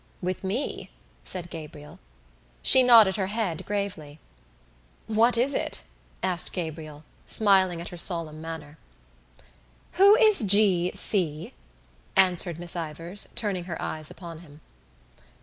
"With me?" said Gabriel. She nodded her head gravely. "What is it?" asked Gabriel, smiling at her solemn manner. "Who is G. C.?" answered Miss Ivors, turning her eyes upon him.